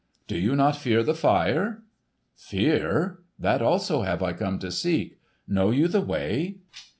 "Do you not fear the fire?" "Fear? That also have I come to seek. Know you the way?"